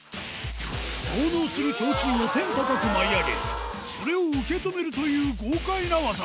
奉納する提灯を天高く舞い上げ、それを受け止めるという豪快な技。